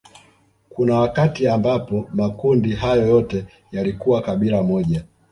Kuna wakati ambapo makundi hayo yote yalikuwa kabila moja